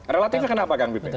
relatifnya kenapa kang bipin